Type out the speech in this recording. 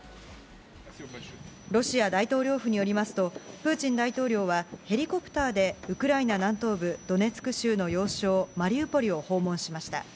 ロシア大統領府によりますと、プーチン大統領はヘリコプターでウクライナ南東部、ドネツク州の要衝マリウポリを訪問しました。